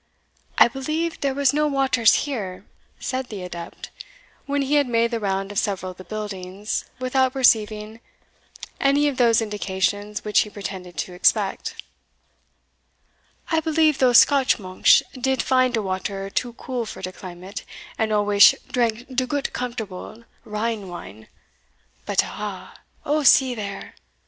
"I believe dere was no waters here," said the adept, when he had made the round of several of the buildings, without perceiving any of those indications which he pretended to expect "I believe those Scotch monksh did find de water too cool for de climate, and alwaysh drank de goot comfortable, Rhinewine. But, aha! see there!"